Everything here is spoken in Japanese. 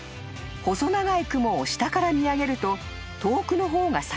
［細長い雲を下から見上げると遠くの方が下がって見え